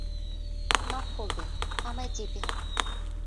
মাফ করবেন, আমায় যেতে হবে।